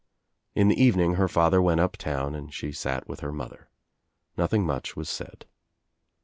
In the evening her father went up town and she sat with her mother. Nothing much was said.